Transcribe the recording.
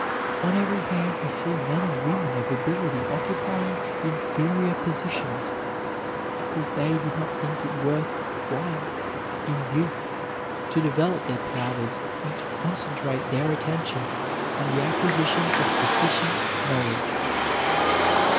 On every hand we see men and women of ability occupying inferior positions because they did not think it worth while in youth to develop their powers and to concentrate their attention on the acquisition of sufficient knowledge.